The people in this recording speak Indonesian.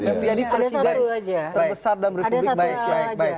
intinya di presiden terbesar dan republik malaysia